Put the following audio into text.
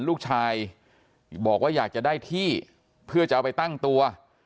ลูกชายบอกว่าอยากจะได้ที่เพื่อจะเอาไปตั้งตัว